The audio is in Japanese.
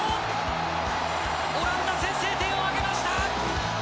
オランダ、先制点を挙げました！